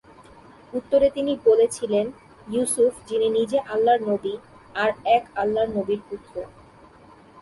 উত্তরে তিনি বলেছিলেন, ইউসুফ—যিনি নিজে আল্লাহর নবী, আর এক আল্লাহর নবীর পুত্র।